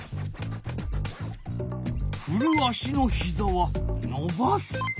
ふる足のひざはのばす。